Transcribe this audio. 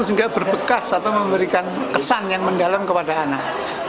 sehingga berbekas atau memberikan kesan yang mendalam kepada anak